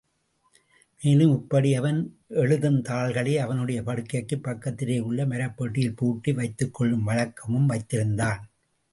மேலும் இப்படி அவன் எழுதும் தாள்களை அவனுடைய படுக்கைக்குப் பக்கத்திலேயுள்ள மரப்பெட்டியில் பூட்டி வைத்துக் கொள்ளும் வழக்கமும் வைத்திருந்தான்.